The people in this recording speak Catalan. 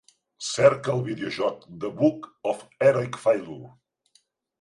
Cerca el videojoc The Book of Heroic Failures